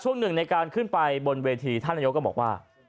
หนึ่งในการขึ้นไปบนเวทีท่านนายกก็บอกว่า